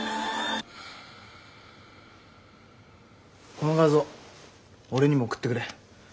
この画像俺にも送ってくれ。